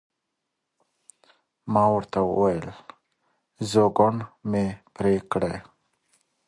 ما ورته وویل: نه، ځنګون مې پرې کړئ.